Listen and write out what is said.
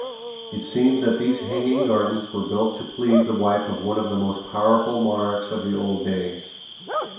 It seems that these hanging gardens were built to please the wife of one of the most powerful monarchs of the old days.